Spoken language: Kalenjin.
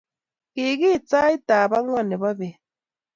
Kigiit sait tab angwan nebo beet